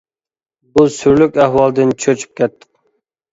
بۇ سۈرلۈك ئەھۋالدىن چۆچۈپ كەتتۇق.